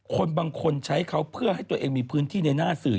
คนบางคนใช้เขาเพื่อให้ตัวเองมีพื้นที่ในหน้าสื่อ